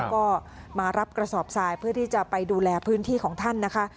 ก็มารับกระสอบทรายเพื่อที่จะไปดูแลพื้นที่ของท่านนะคะ